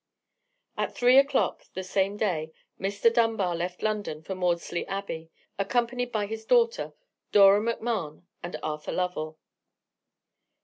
At three o'clock the same day Mr. Dunbar left London for Maudesley Abbey, accompanied by his daughter, Dora Macmahon, and Arthur Lovell.